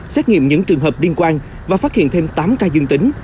xét nghiệm những trường hợp liên quan và phát hiện thêm tám ca dương tính